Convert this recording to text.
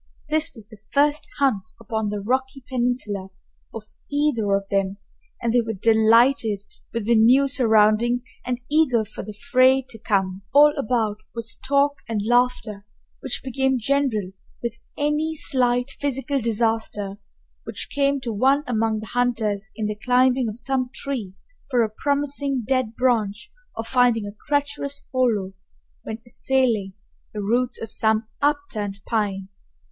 This was the first hunt upon the rocky peninsula of either of them, and they were delighted with the new surroundings and eager for the fray to come. All about was talk and laughter, which became general with any slight physical disaster which came to one among the hunters in the climbing of some tree for a promising dead branch or finding a treacherous hollow when assailing the roots of some upturned pine.